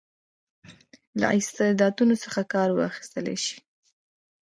له استعدادونو څخه کار واخیستل شي.